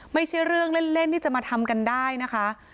ไม่ใช่เรื่องเล่นที่จะมาทำกันได้นะคะ